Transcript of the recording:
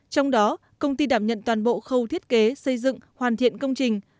trong đó công ty đảm nhận toàn bộ khâu thiết kế xây dựng hoàn thiện công trình